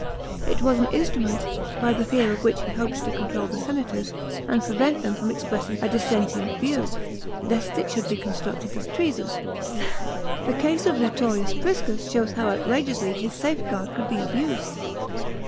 It was an instrument, by the fear of which he hoped to control the senators, and prevent them from expressing a dissentient view, lest it should be construed as treason. The case of Lutorius Prisons shows how outrageously *his safeguard could be abused.